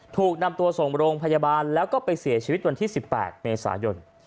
ถูกนำตัวส่งโรงพยาบาลแล้วก็ไปเสียชีวิตวันที่๑๘เมษายน